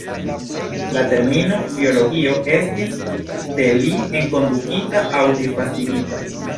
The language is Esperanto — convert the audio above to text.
La termino "biologio" estis de li enkondukita aŭ disvastigita.